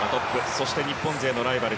そして、日本勢のライバル